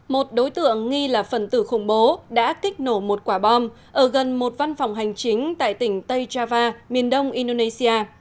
một đối tượng nghi là phần tử khủng bố đã kích nổ một quả bom ở gần một văn phòng hành chính tại tỉnh tây java miền đông indonesia